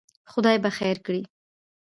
خدای به خیر کړي.